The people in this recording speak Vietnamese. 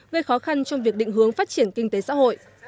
gây khó khăn trong việc định hướng phát triển kinh tế xã hội